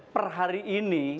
per hari ini